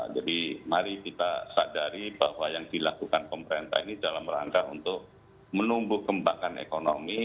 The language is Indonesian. jadi mari kita sadari bahwa yang dilakukan pemerintah ini dalam rangka untuk menumbuh kembangkan ekonomi